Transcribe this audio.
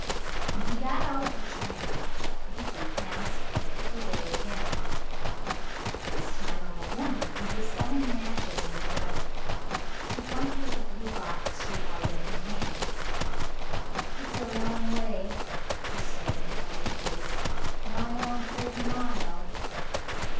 When he got out of the tram Dickie asked the way again, this time of a woman who was selling matches in the gutter. She pointed with the blue box she held in her hand. "It's a long way," she said, in a tired voice; "nigh on thirty mile."